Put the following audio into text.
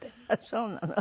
そうなの？